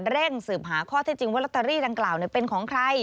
เร่งสืบหาข้อที่จริงว่าลอตเตอรี่ดังกล่าวเป็นของใคร